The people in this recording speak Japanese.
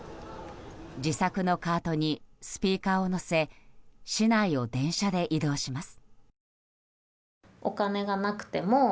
自作のカートにスピーカーを載せ市内を電車で移動します。